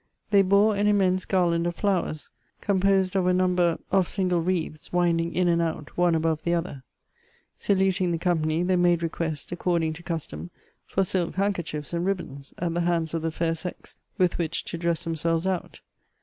They bore an immense garland of flowers, composed of a number of single Elective Affinities. 121 wreaths, winding in and out, one above the other ; salut ing the company, they made request, according to custom, for silk handkerchiefs and ribbons, at the hands of the fair sex, with which to dress themselves out.